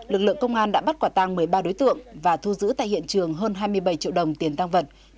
lực lượng công an đã bắt quả tăng một mươi ba đối tượng và thu giữ tại hiện trường hơn hai mươi bảy triệu đồng tiền tăng vật